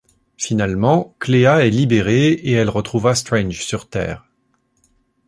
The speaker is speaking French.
Finalement, Cléa est libérée et elle retrouva Strange sur Terre.